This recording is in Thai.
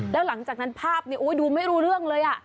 แล้วหลังจากนั้นภาพดูไม่รู้เรื่องเลย